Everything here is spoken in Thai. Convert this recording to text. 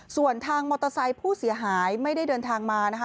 ส่วนทางมอเตอร์ไซค์ผู้เสียหายไม่ได้เดินทางมานะคะ